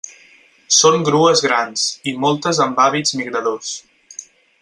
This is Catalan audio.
Són grues grans, i moltes amb hàbits migradors.